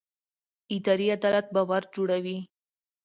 اداري عدالت باور جوړوي